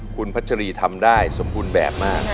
คุณพัชรีทำได้สมบูรณ์แบบมาก